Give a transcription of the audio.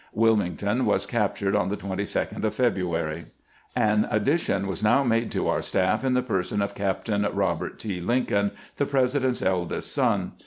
Wilming ton was captured on the 22d of February. An addition was now made to our staff in the person of Captain Eobert T. Lincoln, the President's eldest son.